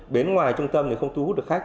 bên ngoài trung tâm thì không thu hút được khách